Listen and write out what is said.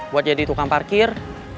buat jadi tukang parkir